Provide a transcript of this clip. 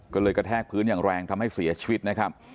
ก็เลยกระแทกพื้นอย่างแรงทำให้เสียชีวิตนะครับ